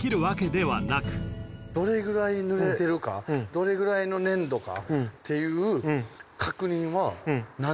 どれぐらいぬれてるかどれぐらいの粘度かっていう。